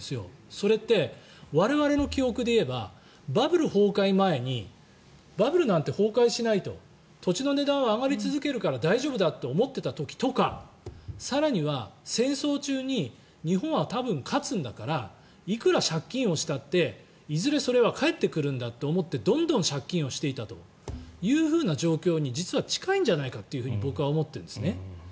それって我々の記憶で言えばバブル崩壊前にバブルなんて崩壊しないと土地の値段は上がり続けるから大丈夫だと思っていた時とか更には戦争中に日本は多分、勝つんだからいくら借金をしたっていずれそれは返ってくるんだと思ってどんどん借金をしていたという状況に実は近いんじゃないかと僕は思ってるんですね。